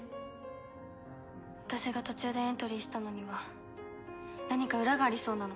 私が途中でエントリーしたのには何か裏がありそうなの。